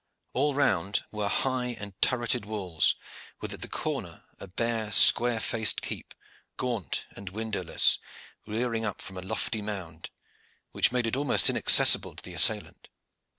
All round were high and turreted walls, with at the corner a bare square faced keep, gaunt and windowless, rearing up from a lofty mound, which made it almost inaccessible to an assailant.